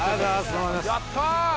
やった。